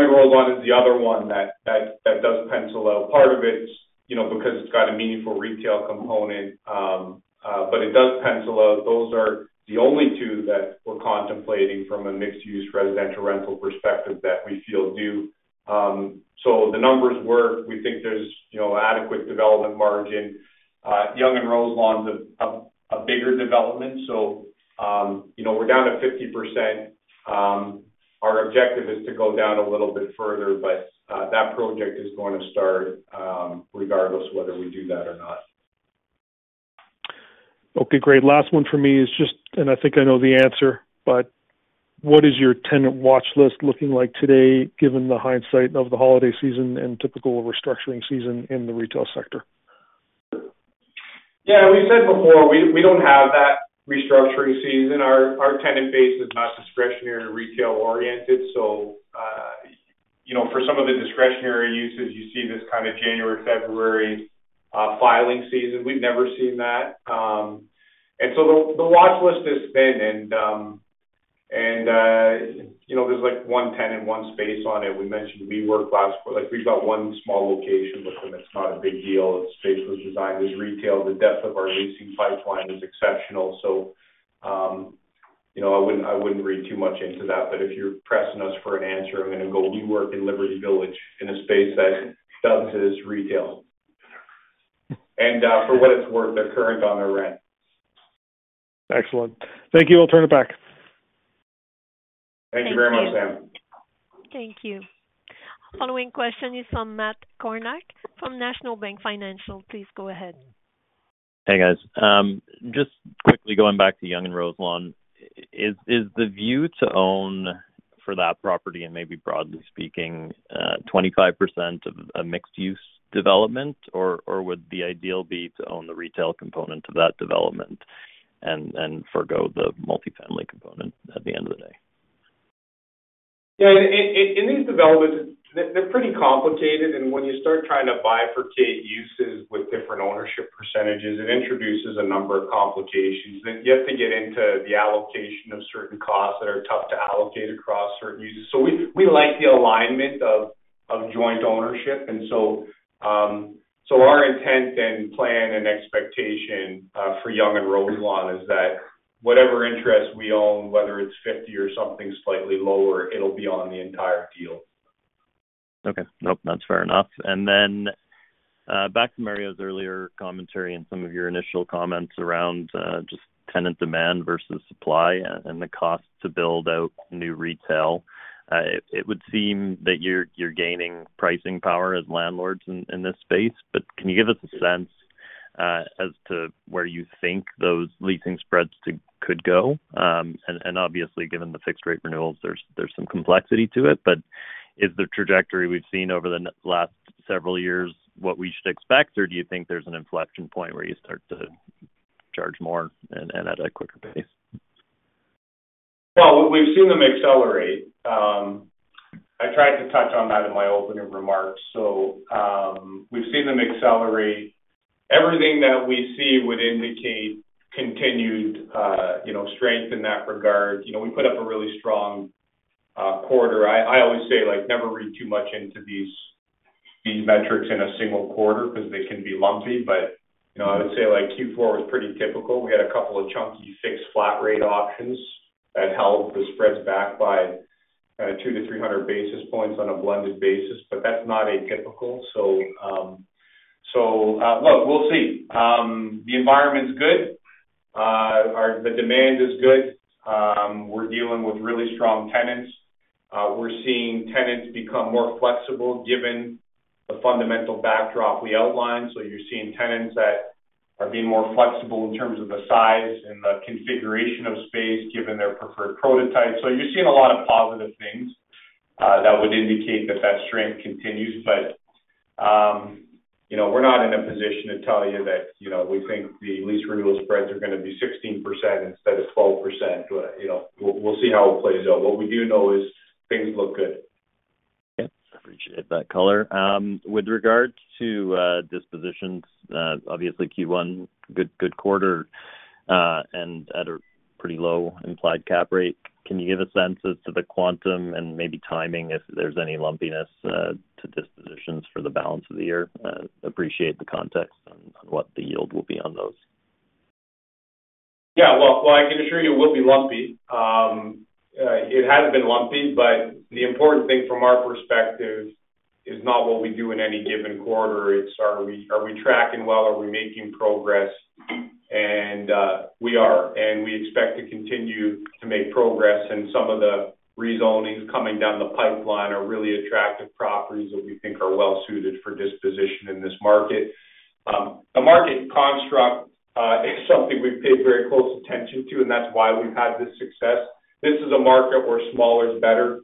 and Roselawn is the other one that does pencil out. Part of it is, you know, because it's got a meaningful retail component, but it does pencil out. Those are the only two that we're contemplating from a mixed-use residential rental perspective that we feel do. So the numbers work. We think there's, you know, adequate development margin. Yonge and Roselawn's a bigger development, so, you know, we're down to 50%. Our objective is to go down a little bit further, but that project is going to start, regardless of whether we do that or not. Okay, great. Last one for me is just, and I think I know the answer, but what is your tenant watch list looking like today, given the hindsight of the holiday season and typical restructuring season in the retail sector? Yeah, we've said before, we don't have that restructuring season. Our tenant base is not discretionary or retail-oriented, so you know, for some of the discretionary uses, you see this kind of January, February filing season. We've never seen that. And so the watch list is thin, and you know, there's like one tenant, one space on it. We mentioned WeWork last quarter. Like, we've got one small location with them. It's not a big deal. The space was designed as retail. The depth of our leasing pipeline is exceptional, so you know, I wouldn't read too much into that. But if you're pressing us for an answer, I'm going to go WeWork in Liberty Village, in a space that doubles as retail. And for what it's worth, they're current on their rent. Excellent. Thank you. I'll turn it back. Thank you very much, Sam. Thank you. Following question is from Matt Kornack, from National Bank Financial. Please go ahead.... Hey, guys. Just quickly going back to Yonge and Roselawn, is, is the view to own for that property and maybe broadly speaking, 25%, of a mixed-use development, or, or would the ideal be to own the retail component of that development and, and forgo the multifamily component at the end of the day? Yeah. In these developments, they're pretty complicated, and when you start trying to bifurcate uses with different ownership percentages, it introduces a number of complications. Then you have to get into the allocation of certain costs that are tough to allocate across certain uses. So we like the alignment of joint ownership. And so our intent and plan and expectation for Yonge and Roselawn is that whatever interest we own, whether it's 50 or something slightly lower, it'll be on the entire deal. Okay. Nope, that's fair enough. And then, back to Mario's earlier commentary and some of your initial comments around, just tenant demand versus supply and, and the cost to build out new retail. It would seem that you're, you're gaining pricing power as landlords in, in this space, but can you give us a sense, as to where you think those leasing spreads could go? And, and obviously, given the fixed rate renewals, there's, there's some complexity to it, but is the trajectory we've seen over the last several years what we should expect, or do you think there's an inflection point where you start to charge more and, and at a quicker pace? Well, we've seen them accelerate. I tried to touch on that in my opening remarks. So, we've seen them accelerate. Everything that we see would indicate continued, you know, strength in that regard. You know, we put up a really strong quarter. I always say, like, never read too much into these metrics in a single quarter because they can be lumpy. But, you know, I would say, like, Q4 was pretty typical. We had a couple of chunky fixed flat rate options that held the spreads back by 200-300 basis points on a blended basis, but that's not atypical. So, so, look, we'll see. The environment's good. Our the demand is good. We're dealing with really strong tenants. We're seeing tenants become more flexible given the fundamental backdrop we outlined. So you're seeing tenants that are being more flexible in terms of the size and the configuration of space, given their preferred prototype. So you're seeing a lot of positive things that would indicate that that strength continues. But, you know, we're not in a position to tell you that, you know, we think the lease renewal spreads are going to be 16% instead of 12%. You know, we'll see how it plays out. What we do know is things look good. Okay. Appreciate that color. With regards to dispositions, obviously, Q1, good, good quarter, and at a pretty low implied cap rate. Can you give a sense as to the quantum and maybe timing, if there's any lumpiness, to dispositions for the balance of the year? Appreciate the context on, on what the yield will be on those. Yeah. Well, I can assure you it will be lumpy. It has been lumpy, but the important thing from our perspective is not what we do in any given quarter. It's are we tracking well? Are we making progress? And we are, and we expect to continue to make progress. And some of the rezonings coming down the pipeline are really attractive properties that we think are well suited for disposition in this market. The market construct is something we've paid very close attention to, and that's why we've had this success. This is a market where smaller is better.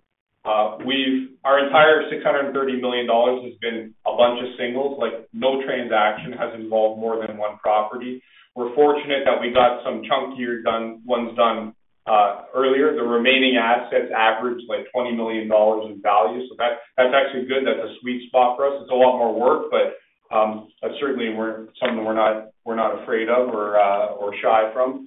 We've our entire 630 million dollars has been a bunch of singles, like, no transaction has involved more than one property. We're fortunate that we got some chunkier ones done earlier. The remaining assets average, like, 20 million dollars in value. So that, that's actually good. That's a sweet spot for us. It's a lot more work, but, that's certainly something we're not, we're not afraid of or shy from.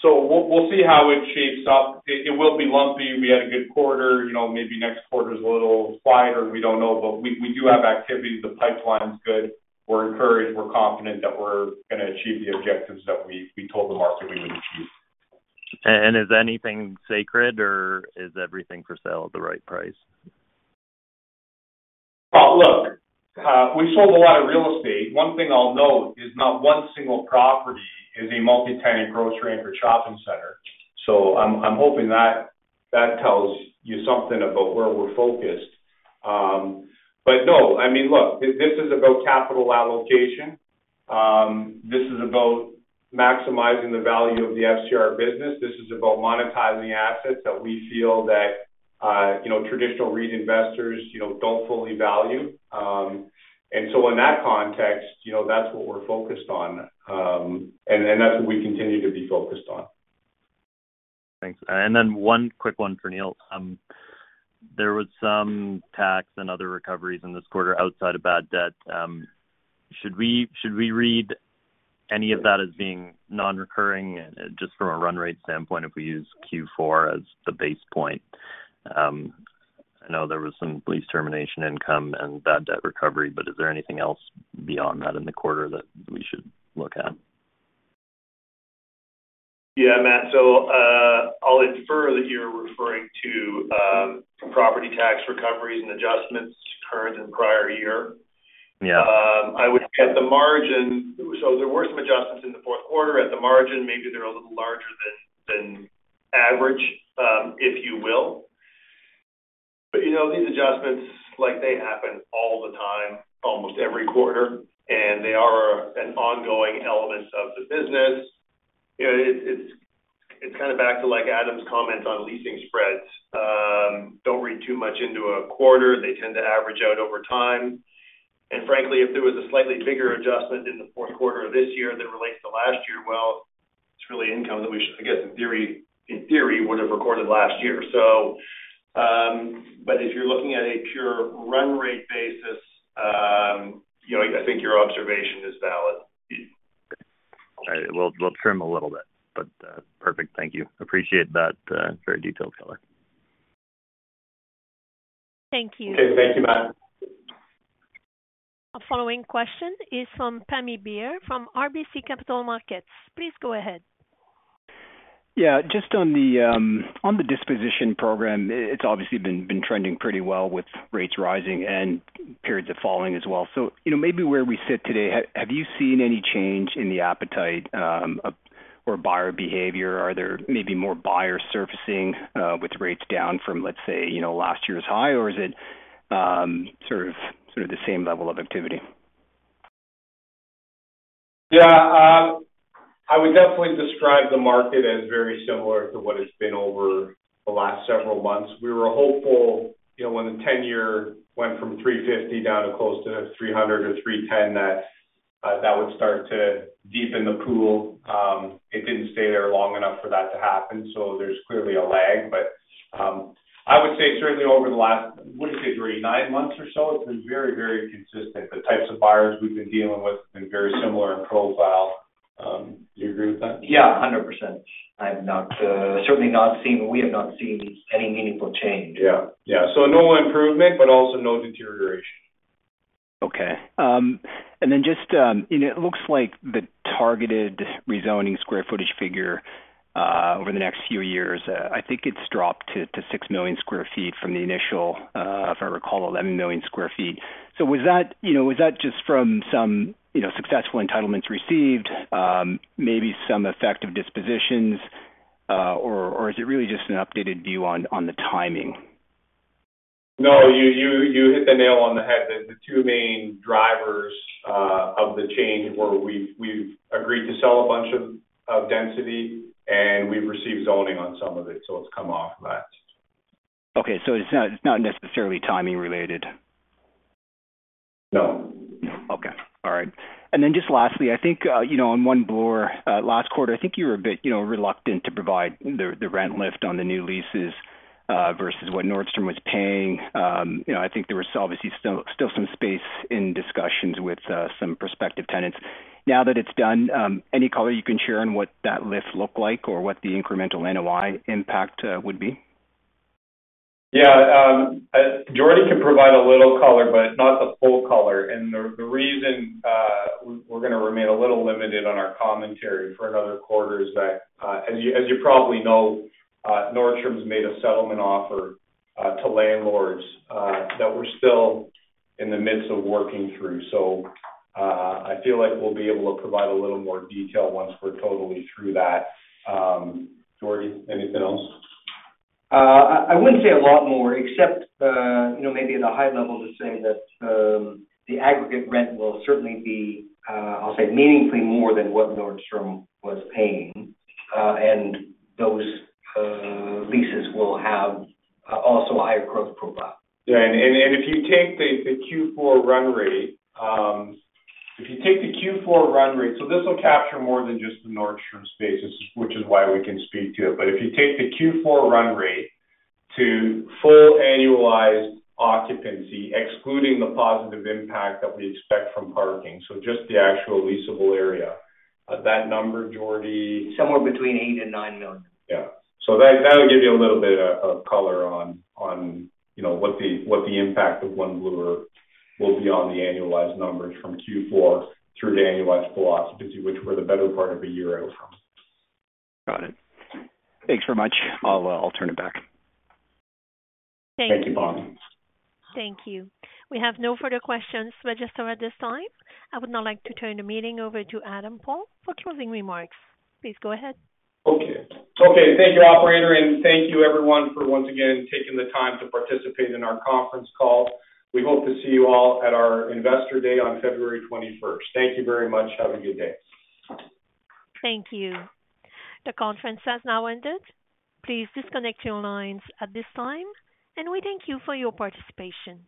So we'll, we'll see how it shapes up. It, it will be lumpy. We had a good quarter, you know, maybe next quarter is a little quieter. We don't know, but we, we do have activities. The pipeline is good. We're encouraged. We're confident that we're going to achieve the objectives that we, we told the market we would achieve. Is anything sacred, or is everything for sale at the right price? Well, look, we sold a lot of real estate. One thing I'll note is not one single property is a multi-tenant grocery-anchored shopping center. So I'm, I'm hoping that, that tells you something about where we're focused. But no, I mean, look, this is about capital allocation. This is about maximizing the value of the FCR business. This is about monetizing the assets that we feel that, you know, traditional REIT investors, you know, don't fully value. And so in that context, you know, that's what we're focused on, and then that's what we continue to be focused on. Thanks. And then one quick one for Neil. There was some tax and other recoveries in this quarter outside of bad debt. Should we, should we read any of that as being non-recurring, just from a run rate standpoint, if we use Q4 as the base point? I know there was some lease termination income and bad debt recovery, but is there anything else beyond that in the quarter that we should look at? Yeah, Matt. So, I'll infer that you're referring to property tax recoveries and adjustments, current and prior year. Yeah. I would, at the margin. So there were some adjustments in the fourth quarter. At the margin, maybe they're a little larger than average, if you will. You know, these adjustments, like, they happen all the time, almost every quarter, and they are an ongoing element of the business. You know, it's kind of back to, like, Adam's comments on leasing spreads. Don't read too much into a quarter. They tend to average out over time. And frankly, if there was a slightly bigger adjustment in the fourth quarter of this year than relates to last year, well, it's really income that we should, I guess, in theory, in theory, would have recorded last year. So, but if you're looking at a pure run rate basis, you know, I think your observation is valid. All right. We'll trim a little bit, but perfect. Thank you. Appreciate that, very detailed color. Thank you. Okay. Thank you, Matt. Our following question is from Pammi Bir from RBC Capital Markets. Please go ahead. Yeah, just on the disposition program, it's obviously been trending pretty well with rates rising and periods of falling as well. So, you know, maybe where we sit today, have you seen any change in the appetite of or buyer behavior? Are there maybe more buyers surfacing with rates down from, let's say, you know, last year's high? Or is it sort of the same level of activity? Yeah, I would definitely describe the market as very similar to what it's been over the last several months. We were hopeful, you know, when the 10-year went from 3.50 down to close to 3.00 or 3.10, that, that would start to deepen the pool. It didn't stay there long enough for that to happen, so there's clearly a lag. But, I would say certainly over the last, what do you say, Jordy, 9 months or so, it's been very, very consistent. The types of buyers we've been dealing with have been very similar in profile. Do you agree with that? Yeah, 100%. I've not, certainly not seen. We have not seen any meaningful change. Yeah. Yeah. So no improvement, but also no deterioration. Okay. And then just, it looks like the targeted rezoning square footage figure over the next few years, I think it's dropped to 6 million sq ft from the initial, if I recall, 11 million sq ft. So was that, you know, was that just from some, you know, successful entitlements received, maybe some effective dispositions, or is it really just an updated view on the timing? No, you hit the nail on the head. The two main drivers of the change were we've agreed to sell a bunch of density, and we've received zoning on some of it, so it's come off last. Okay, so it's not, it's not necessarily timing related? No. Okay. All right. And then just lastly, I think, you know, on One Bloor, last quarter, I think you were a bit, you know, reluctant to provide the, the rent lift on the new leases, versus what Nordstrom was paying. You know, I think there was obviously still, still some space in discussions with, some prospective tenants. Now that it's done, any color you can share on what that lift look like or what the incremental NOI impact, would be? Yeah, Jordy can provide a little color, but not the full color. And the reason we're going to remain a little limited on our commentary for another quarter is that, as you probably know, Nordstrom's made a settlement offer to landlords that we're still in the midst of working through. So, I feel like we'll be able to provide a little more detail once we're totally through that. Jordy, anything else? I, I wouldn't say a lot more, except, you know, maybe at a high level, just saying that, the aggregate rent will certainly be, I'll say, meaningfully more than what Nordstrom was paying. And those, leases will have, also a higher growth profile. Yeah, if you take the Q4 run rate. So this will capture more than just the Nordstrom space, which is why we can speak to it. But if you take the Q4 run rate to full annualized occupancy, excluding the positive impact that we expect from parking, so just the actual leasable area, that number, Jordy? Somewhere between 8 million and 9 million. Yeah. So that'll give you a little bit of color on, you know, what the impact of One Bloor will be on the annualized numbers from Q4 through to annualized full occupancy, which we're the better part of a year out from. Got it. Thanks very much. I'll turn it back. Thank you, Pammi. Thank you. We have no further questions registered at this time. I would now like to turn the meeting over to Adam Paul for closing remarks. Please go ahead. Okay. Okay, thank you, operator, and thank you everyone for once again taking the time to participate in our conference call. We hope to see you all at our Investor Day on February twenty-first. Thank you very much. Have a good day. Thank you. The conference has now ended. Please disconnect your lines at this time, and we thank you for your participation.